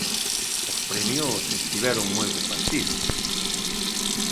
Os premios estiveron moi repartidos.